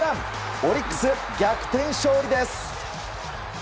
オリックス逆転勝利です。